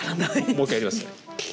もう一回やりますね。